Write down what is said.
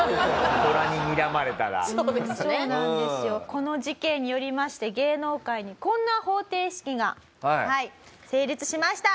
この事件によりまして芸能界にこんな方程式が成立しました。